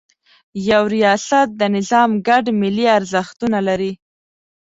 یو ریاست د نظام ګډ ملي ارزښتونه لري.